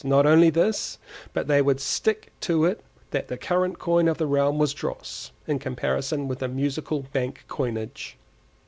Not only this, but they would stick to it that the current coin of the realm was dross in comparison with the Musical Bank coinage.